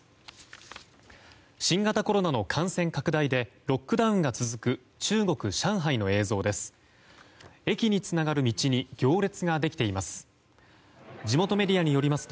新型コロナの感染拡大でロックダウンが続く中国・上海の映像です。